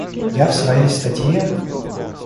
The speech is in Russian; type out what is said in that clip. Я в своей статье....